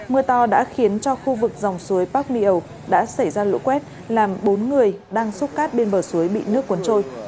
mưa to đã khiến cho khu vực dòng suối park mio đã xảy ra lũ quét làm bốn người đang xúc cát bên bờ suối bị nước cuốn trôi